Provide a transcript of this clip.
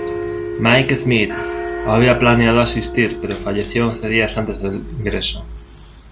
Mike Smith había planeado asistir pero falleció once días antes del ingreso.